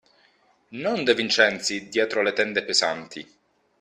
non De Vincenzi dietro le tende pesanti.